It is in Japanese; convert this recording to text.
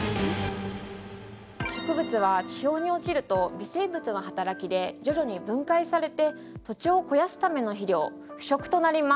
植物は地表に落ちると微生物の働きで徐々に分解されて土地を肥やすための肥料腐植となります。